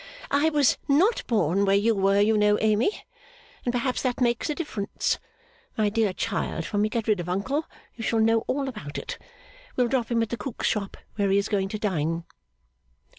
'I was not born where you were, you know, Amy, and perhaps that makes a difference. My dear child, when we get rid of Uncle, you shall know all about it. We'll drop him at the cook's shop where he is going to dine.